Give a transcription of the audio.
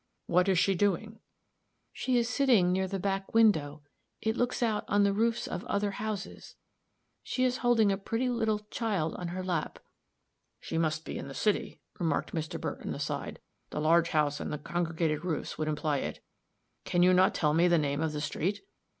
"What is she doing?" "She is sitting near the back window; it looks out on the roofs of other houses; she is holding a pretty little child on her lap." "She must be in the city," remarked Mr. Burton, aside; "the large house and the congregated roofs would imply it. Can you not tell me the name of the street?"